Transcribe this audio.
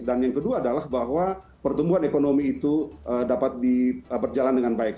dan yang kedua adalah bahwa pertumbuhan ekonomi itu dapat berjalan dengan baik